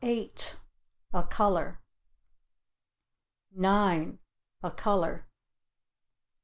"A color." 9. "A color."